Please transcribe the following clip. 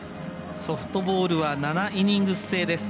ソフトボールは７イニングス制です。